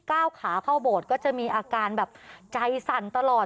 ก้าวขาเข้าโบสถ์ก็จะมีอาการแบบใจสั่นตลอด